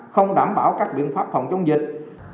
không đảm bảo các biện pháp phòng chống dịch